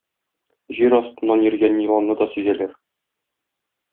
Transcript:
Җир астыннан йөргән еланны да сизәләр.